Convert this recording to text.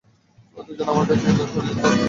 তোমরা দুজন, আমার কাছ থেকে দূরে সরে যেতে পারতে।